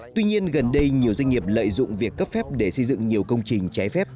tuy nhiên gần đây nhiều doanh nghiệp lợi dụng việc cấp phép để xây dựng nhiều công trình trái phép